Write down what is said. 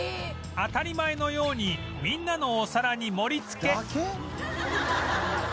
当たり前のようにみんなのお皿に盛りつけだけ！？